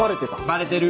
バレてる。